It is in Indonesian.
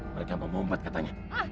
mereka mau ngumpet katanya